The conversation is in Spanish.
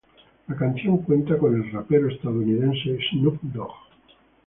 La canción cuenta con el rapero estadounidense Snoop Dogg.